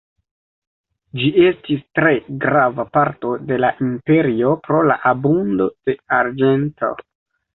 Ĝi estis tre grava parto de la imperio pro la abundo de arĝento.